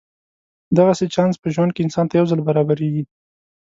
دغسې چانس په ژوند کې انسان ته یو ځل برابرېږي.